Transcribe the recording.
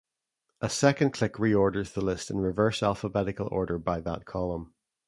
A second click reorders the list in reverse alphabetical order by that column.